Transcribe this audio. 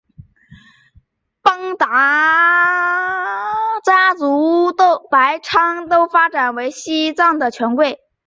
邦达仓家族自昌都发展为西藏的权贵。